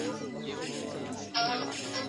که چيرې يو څوک تېری وکړي نو دولت بايد هغه مهار کړي.